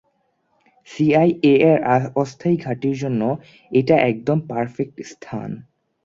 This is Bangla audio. সিআইএ এর অস্থায়ী ঘাঁটির জন্য এটা একদম পার্ফেক্ট স্থান।